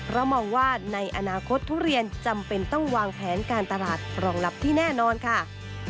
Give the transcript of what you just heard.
เพราะมองว่าในอนาคตทุเรียนจำเป็นต้องวางแผนการตลาดรองรับที่แน่นอนค่ะ